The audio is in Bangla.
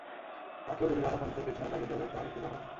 তাকেও যদি গাধা পণ্ডিতের পেছনে লাগিয়ে দেওয়া যায়, তাহলে কেল্লা ফতে।